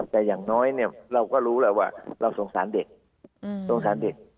แต่อย่างน้อยเนี่ยเราก็รู้แล้วว่าเราสงสารเด็กสงสารเด็ก